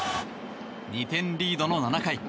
２点リードの７回。